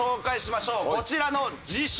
こちらの自称